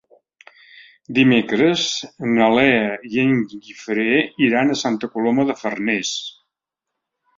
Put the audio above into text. Dimecres na Lea i en Guifré iran a Santa Coloma de Farners.